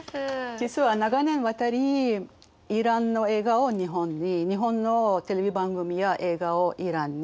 実は長年にわたりイランの映画を日本に日本のテレビ番組や映画をイランに紹介してきたんですけれども。